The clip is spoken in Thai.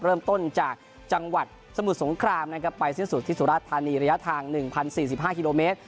เริ่มต้นจากจังหวัดสมุทรสงครามนะครับไปสิ้นสุดที่สุราชธานีระยะทาง๑๐๔๕กิโลเมตร